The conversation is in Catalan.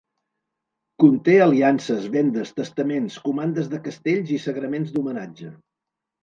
Conté aliances, vendes, testaments, comandes de castells i sagraments d'homenatge.